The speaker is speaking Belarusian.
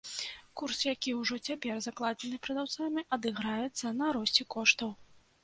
Курс, які ўжо цяпер закладзены прадаўцамі, адыграецца на росце коштаў.